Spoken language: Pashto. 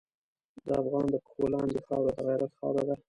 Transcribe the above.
د افغان د پښو لاندې خاوره د غیرت خاوره ده.